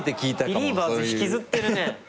『ビリーバーズ』引きずってるね。